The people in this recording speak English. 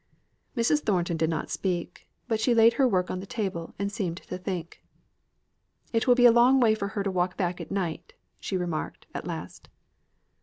Mrs. Thornton did not speak; but she laid her work on the table, and seemed to think. "It will be a long way for her to walk back at night!" she remarked, at last.